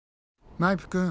マイプくん。